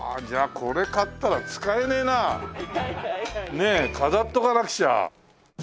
ねえ飾っとかなくちゃ。